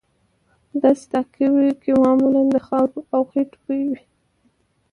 په داسې تاکاویو کې معمولا د خاورو او خټو بوی وي.